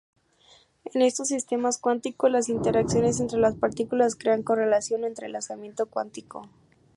En estos sistemas cuánticos, las interacciones entre las partículas crean correlación o entrelazamiento cuántico.